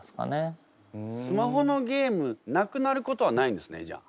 スマホのゲームなくなることはないんですねじゃあ。